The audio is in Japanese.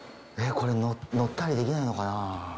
これ乗ったりできないのかな？